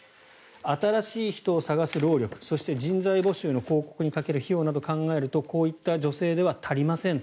新しい人を探す労力そして、人材募集の広告にかける費用などを考えるとこういった助成では足りません。